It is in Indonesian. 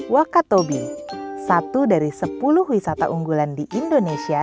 wakatobi satu dari sepuluh wisata unggulan di indonesia